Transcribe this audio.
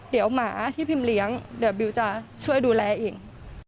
เดี๋ยวหมาที่พิมเลี้ยงเดี๋ยวบิวจะช่วยดูแลอีก